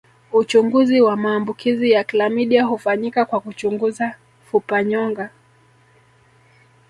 Uchunguzi wa maambukizi ya klamidia hufanyika kwa kuchunguza fupanyonga